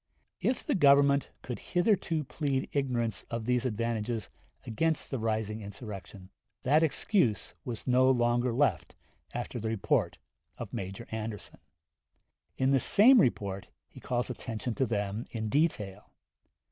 If the Government could hitherto plead ignorance of these advantages against the rising insurrection, that excuse was no longer left after the report of Major Anderson. In this same report he calls attention to them in detail.